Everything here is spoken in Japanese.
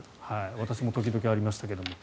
私も時々ありましたけど。